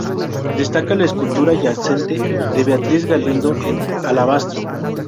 Destaca la escultura yacente de Beatriz Galindo, en alabastro.